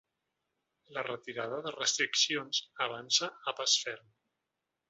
La retirada de restriccions avança a pas ferm.